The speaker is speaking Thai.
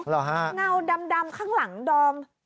เหรอฮะเงาดำข้างหลังดอม